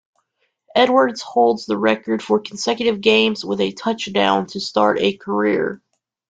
Edwards holds the record for consecutive games with a touchdown to start a career.